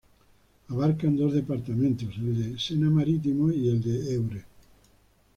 Abarcaba dos departamentos: el de "Sena Marítimo" y el de "Eure".